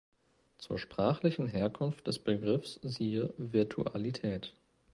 Zur sprachlichen Herkunft des Begriffs siehe "Virtualität".